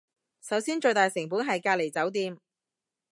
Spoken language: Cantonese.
首先最大成本係隔離酒店